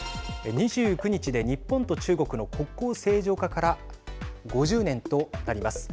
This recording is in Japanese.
２９日で日本と中国の国交正常化から５０年となります。